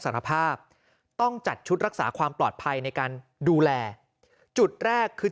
สารภาพต้องจัดชุดรักษาความปลอดภัยในการดูแลจุดแรกคือ